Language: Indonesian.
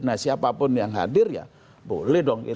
nah siapapun yang hadir ya boleh dong